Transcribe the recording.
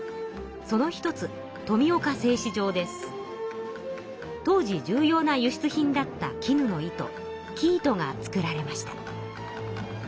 その一つ当時重要な輸出品だったきぬの糸生糸が作られました。